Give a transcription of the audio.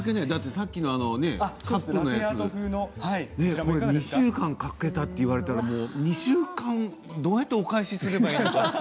さっきのもね２週間かけたと言われたら２週間どうやってお返しすればいいのかなと。